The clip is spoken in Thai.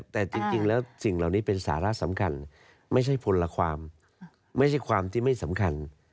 แต่จริงแล้วสิ่งเหล่านี้เป็นสาระสำคัญไม่ใช่พลความไม่ใช่ความที่ไม่สำคัญ